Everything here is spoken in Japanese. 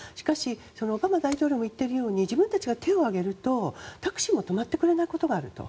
そのオバマ大統領も言っているように自分たちが手を挙げるとタクシーが止まってくれないことがあると。